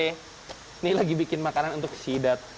ini lagi bikin makanan untuk sidap